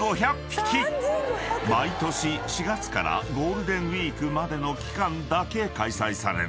［毎年４月からゴールデンウイークまでの期間だけ開催される］